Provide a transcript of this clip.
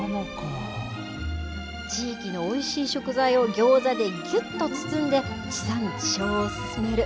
地域のおいしい食材をギョーザでぎゅっと包んで、地産地消を進める。